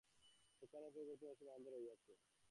সেখানেই অপরিবর্তনীয় অসীম আনন্দ রহিয়াছে।